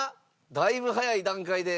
だいぶ早い段階で。